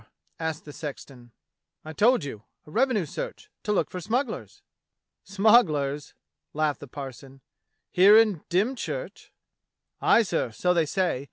f^" asked the sexton. "I told you: a revenue search; to look for smugglers." "Smugglers," laughed the parson, "here in Dym church?" "Aye, sir, so they say.